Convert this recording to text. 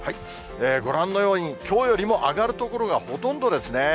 ご覧のように、きょうよりも上がる所がほとんどですね。